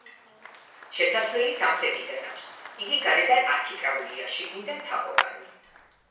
შესასვლელი სამხრეთიდან აქვს, იგი გარედან არქიტრავულია, შიგნიდან თაღოვანი.